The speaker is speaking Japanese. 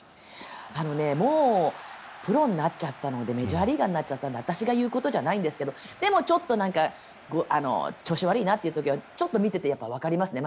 もうプロになっちゃったのでメジャーリーガーになったので私が言うことじゃないんですがでも、ちょっと調子悪いなという時はちょっと見ていてわかりますね。